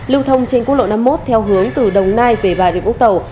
lưu thông trên quốc lộ năm mươi một theo hướng từ đồng nai về bà rịa vũng tàu